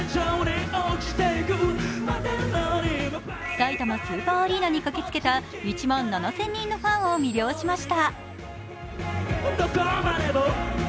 さいたまスーパーアリーナに駆けつけた１万７０００人のファンを魅了しました